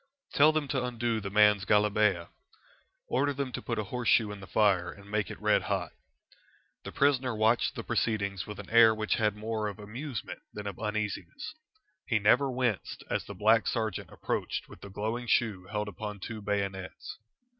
"Tell them to undo the man's galabeeah. Order them to put a horseshoe in the fire and make it red hot." The prisoner watched the proceedings with an air which had more of amusement than of uneasiness. He never winced as the black sergeant approached with the glowing shoe held upon two bayonets.